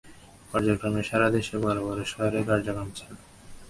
পর্যায়ক্রমে সারা দেশে বড় বড় শহরে এ কার্যক্রম চালাবে কম্পিউটার ভিলেজ।